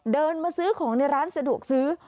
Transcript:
เดินมาซื้อของในร้านสะดวกซื้อ